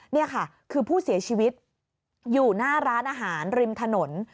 นี่ค่ะคือผู้เสียชีวิตอยู่หน้าร้านอาหารริมถนน